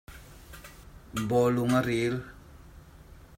Bawlung a ril.